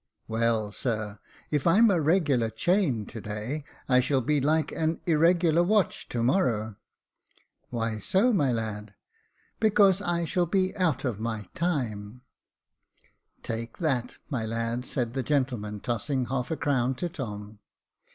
" Well, sir, if I'm a regular chain to day, I shall be like an irregular watch to morrow." " Why so, my lad ?"" Because I shall be out of my time^ " Take that, my lad," said the gentleman, tossing half a crown to Tom.